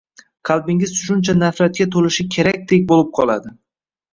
qalbingiz shuncha nafratga to‘lishi kerakdek bo‘lib qoladi.